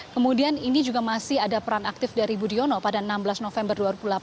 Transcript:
kemudian ini juga masih ada peran aktif dari budiono pada enam belas november dua ribu delapan belas